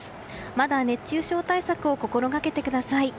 まだ熱中症対策を心掛けてください。